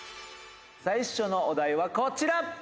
最初のお題はこちら。